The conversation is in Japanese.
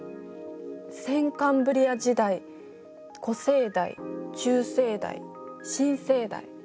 先カンブリア時代古生代中生代新生代。